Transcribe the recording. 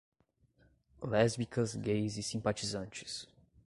Lésbicas, gays e simpatizantes